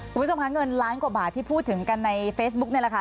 คุณผู้ชมคะเงินล้านกว่าบาทที่พูดถึงกันในเฟซบุ๊กนี่แหละค่ะ